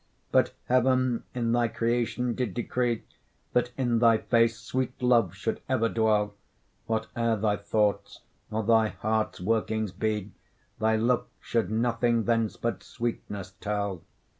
But heaven in thy creation did decree That in thy face sweet love should ever dwell; Whate'er thy thoughts, or thy heart's workings be, Thy looks should nothing thence, but sweetness tell.